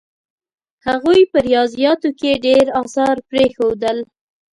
هغوی په ریاضیاتو کې ډېر اثار پرېښودل.